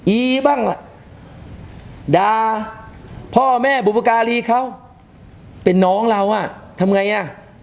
อีบ้างล่ะด่าพ่อแม่บุพการีเขาเป็นน้องเราอ่ะทำไงอ่ะ